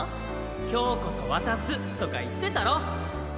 「きょうこそわたす」とかいってたろ！